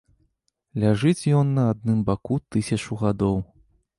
Ляжыць ён на адным баку тысячу гадоў.